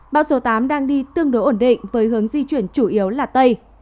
bão số tám đang đi tương đối ổn định với hướng di chuyển chủ yếu là tây